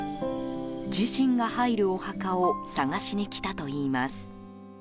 自身が入るお墓を探しに来たといいます。